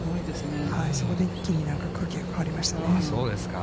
そこで一気に空気が変わりまそうですか。